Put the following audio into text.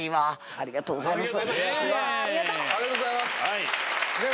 ありがとうございます。